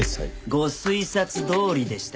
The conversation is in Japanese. ご推察どおりでした。